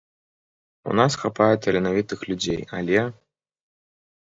У нас хапае таленавітых людзей, але!